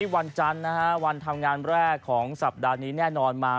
วันจันทร์นะฮะวันทำงานแรกของสัปดาห์นี้แน่นอนมา